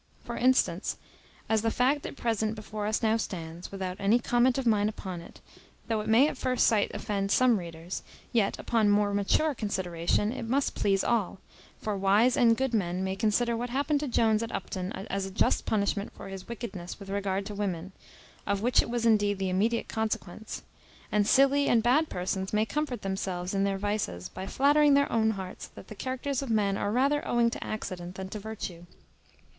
For instance, as the fact at present before us now stands, without any comment of mine upon it, though it may at first sight offend some readers, yet, upon more mature consideration, it must please all; for wise and good men may consider what happened to Jones at Upton as a just punishment for his wickedness with regard to women, of which it was indeed the immediate consequence; and silly and bad persons may comfort themselves in their vices by flattering their own hearts that the characters of men are rather owing to accident than to virtue.